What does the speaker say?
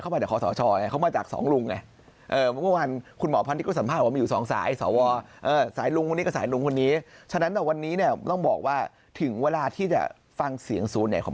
เป็นตัวถ่วงบัชชนได้เหรอหรือยัง